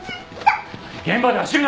現場で走るな！